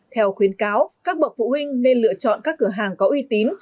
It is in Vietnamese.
theo khuyến cáo các bậc phụ huynh nên lựa chọn các cửa hàng có uy tín